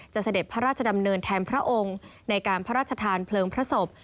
เสด็จพระราชดำเนินแทนพระองค์ในการพระราชทานเพลิงพระศพ